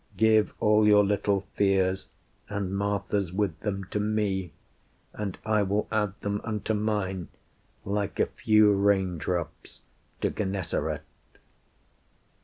Give all your little fears, and Martha's with them, To me; and I will add them unto mine, Like a few rain drops to Gennesaret."